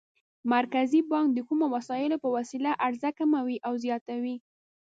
مرکزي بانک د کومو وسایلو په وسیله عرضه کموي او زیاتوي؟